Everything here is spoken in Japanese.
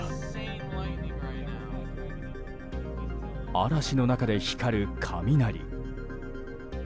嵐の中で光る雷。